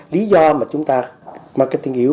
lý do mà chúng ta marketing yếu